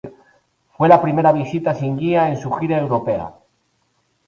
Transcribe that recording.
Fue la primera visita sin guía en su gira europea.